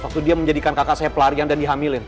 waktu dia menjadikan kakak saya pelarian dan dihamilin